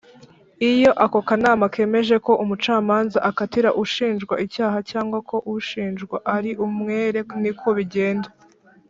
Iyo ako kanama kemeje ko umucamanza akatira ushinjwa icyaha cyangwa ko ushinjwa ari umwere niko bigenda.